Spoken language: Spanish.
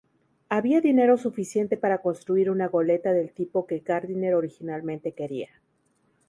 Había dinero suficiente para construir una goleta del tipo que Gardiner originalmente quería.